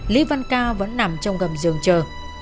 lý văn cao vẫn nằm trong gầm giường chờ